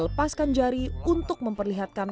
lepaskan jari untuk memperlihatkan